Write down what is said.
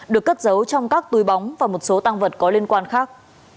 được cất giấu trong các túi bóng và một số tăng vật có liên quan khác